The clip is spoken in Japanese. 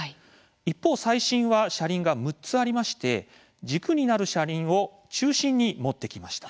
一方、最新は車輪が６つありまして軸になる車輪を中心に持ってきました。